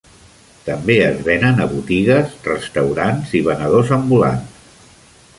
També es venen a botigues, restaurants i venedors ambulants.